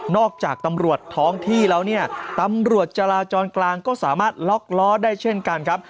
จากตำรวจท้องที่แล้วเนี่ยตำรวจจราจรกลางก็สามารถล็อกล้อได้เช่นกันครับ